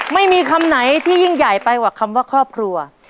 ไม่มีคำไหนที่ยิ่งใหญ่ไปกว่าคำว่าครอบครัว